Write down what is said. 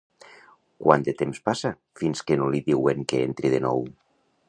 Quant de temps passa fins que no li diuen que entri de nou?